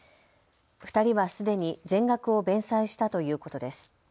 ２人はすでに全額を弁済したということです。